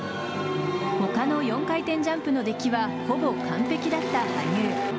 他の４回転ジャンプの出来はほぼ完璧だった羽生。